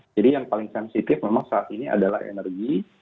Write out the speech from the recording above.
jadi yang paling sensitif memang saat ini adalah energi